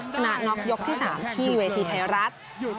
ชนะน็อกยกที่๓ที่เวทีไทยรัฐ